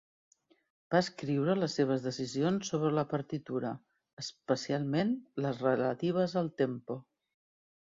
Va escriure les seves decisions sobre la partitura, especialment les relatives al tempo.